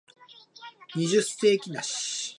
二十世紀梨